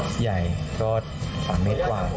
ใหญ่ก็๓เมตรกว่า